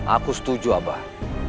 aku setuju abah